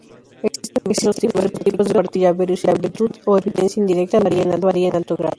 Existen diversos tipos de partículas, cuya verosimilitud o evidencia indirecta varía en alto grado.